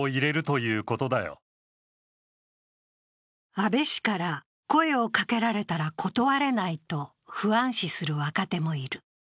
安倍氏から声をかけられたら断れないと不安視する若手もいる。